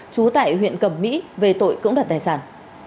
trú tại huyện cầm mỹ về tội cưỡng đặt tài sản